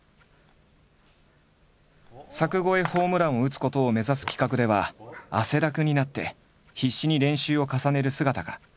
柵越えホームランを打つことを目指す企画では汗だくになって必死に練習を重ねる姿が。